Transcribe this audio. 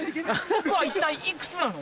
僕は一体いくつなの？